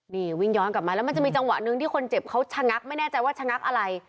นี่วิ่งย้อนกลับมาแล้วมันจะมีจังหวะหนึ่งที่คนเจ็บเขาชะงักไม่แน่ใจว่าชะงักอะไร